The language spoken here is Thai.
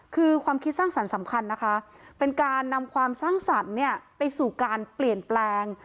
คือความคิดสร้างสรรค์สำคัญนะคะเป็นการนำความสร้างสรรค์เนี่ยไปสู่การเปลี่ยนแปลง